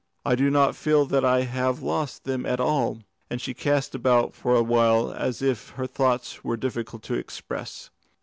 I do not feel that I have lost them at all," and she cast about for a while as if her thought was difficult to express.